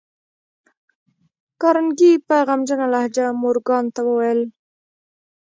کارنګي په غمجنه لهجه مورګان ته وویل